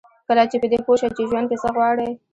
کله چې په دې پوه شئ چې ژوند کې څه غواړئ.